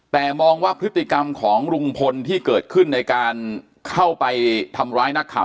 แต่มองว่าพฤติกรรมของลุงพลที่เกิดขึ้นในการเข้าไปทำร้ายนักข่าว